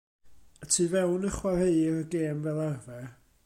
Y tu fewn y chwaraeir y gêm fel arfer.